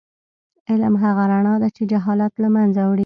علم هغه رڼا ده چې جهالت له منځه وړي.